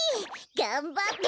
がんばって！